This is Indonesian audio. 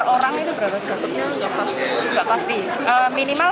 kalau jepang sih minimal tiga puluh juta